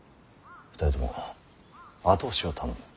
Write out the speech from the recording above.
２人とも後押しを頼む。